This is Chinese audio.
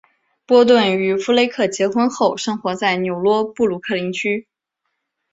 波顿与弗雷克结婚后生活在纽约布鲁克林区。